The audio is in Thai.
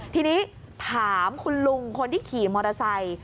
ทีนี้ถามคุณลุงคนที่ขี่มอเตอร์ไซค์